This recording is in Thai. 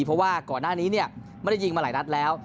เพราะว่าก่อนหน้านี้ไม่ได้ยิงมาหลายนัดแล้ว